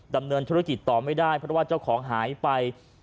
ดำเนินธุรกิจต่อไม่ได้เพราะว่าเจ้าของหายไป